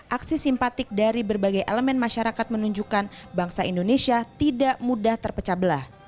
aksi simpatik dari berbagai elemen masyarakat menunjukkan bangsa indonesia tidak mudah terpecah belah